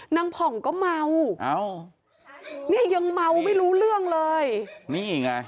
ผ่องก็เมาอ้าวเนี่ยยังเมาไม่รู้เรื่องเลยนี่ไง